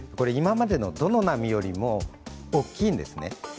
今までのどの波よりも大きいんですね。